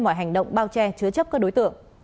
mọi hành động bao che chứa chấp các đối tượng